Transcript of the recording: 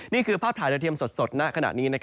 นี่คือภาพถาดเทียมสดขนาดนี้